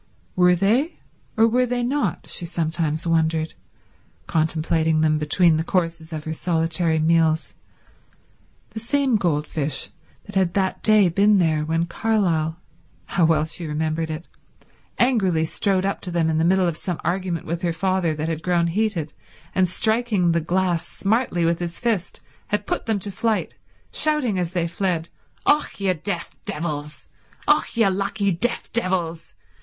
Were they or were they not, she sometimes wondered, contemplating them between the courses of her solitary means, the same goldfish that had that day been there when Carlyle—how well she remembered it—angrily strode up to them in the middle of some argument with her father that had grown heated, and striking the glass smartly with his fist had put them to flight, shouting as they fled, "Och, ye deaf devils! Och, ye lucky deaf devils!